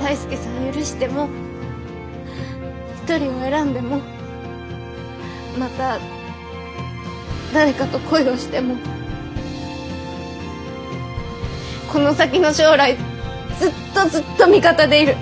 大輔さん許しても一人を選んでもまた誰かと恋をしてもこの先の将来ずっとずっと味方でいる。